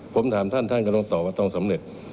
ผมถามท่านท่านก็ต้องตอบว่าต้องสำเร็จ